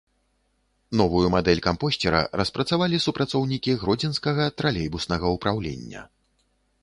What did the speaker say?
Новую мадэль кампосцера распрацавалі супрацоўнікі гродзенскага тралейбуснага ўпраўлення.